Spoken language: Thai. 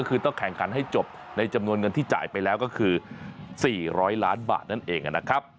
ก็คือต้องแข่งขันให้จบในจำนวนเงินที่จ่ายไปแล้วก็คือ๔๐๐ล้านบาทนั่นเองนะครับ